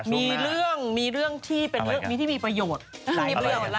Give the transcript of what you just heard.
มีเรื่องเป็นเรื่องที่มีประโยชน์